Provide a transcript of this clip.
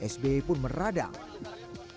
sbe pun meradang